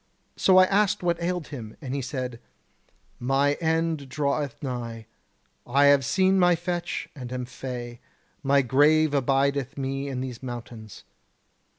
So I asked what ailed him, and he said: 'My end draweth nigh; I have seen my fetch, and am fey. My grave abideth me in these mountains.'